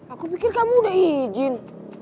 aku pikir kamu udah izin